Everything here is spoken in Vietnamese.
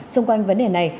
xung quanh vấn đề này